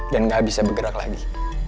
dan nggak bisa bergerak lagi